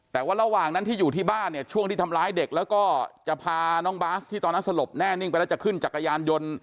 แต่ว่าระหว่างนั้นที่อยู่ที่บ้านเนี่ยช่วงที่ทำร้ายเด็กแล้วก็จะพาน้องบาสที่ตอนนั้นสลบแน่นิ่งไปแล้วจะขึ้นจักรยานยนต์